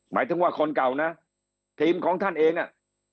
หมายถึงว่าคนเก่านะทีมของท่านเองอ่ะ